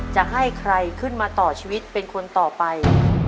จะให้ใครขึ้นมาต่อชีวิตเป็นคนต่อไป